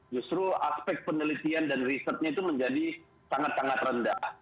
justru aspek penelitian dan risetnya itu menjadi sangat sangat rendah